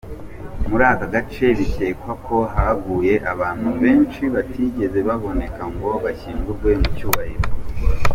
Muri aka gace bikekwa ko haguye abantu benshi batigeze baboneka ngo bashyingurwe mu cyubahiro.